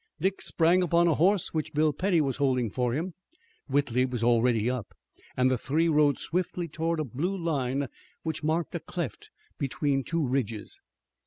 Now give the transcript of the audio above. Dick sprang upon a horse which Bill Petty was holding for him. Whitley was already up, and the three rode swiftly toward a blue line which marked a cleft between two ridges.